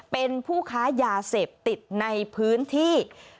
เป็นผู้ค้ายาเสพติดในพื้นที่